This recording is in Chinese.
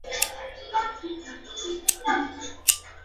掌握科技新兴议题